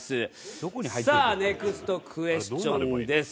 さあネクストクエスチョンです。